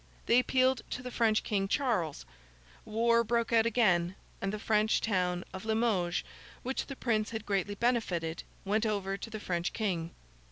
They appealed to the French King, Charles; war again broke out; and the French town of Limoges, which the Prince had greatly benefited, went over to the French King.